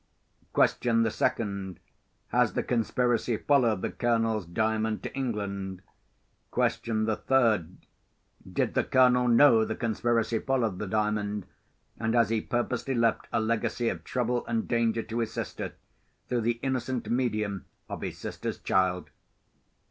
Question the second: Has the conspiracy followed the Colonel's Diamond to England? Question the third: Did the Colonel know the conspiracy followed the Diamond; and has he purposely left a legacy of trouble and danger to his sister, through the innocent medium of his sister's child?